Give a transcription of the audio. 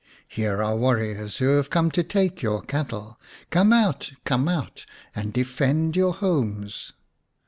Here are warriors who have come to take your cattle. Come out, come out, and defend your homes."